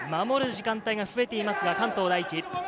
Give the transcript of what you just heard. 守る時間帯が増えています、関東第一。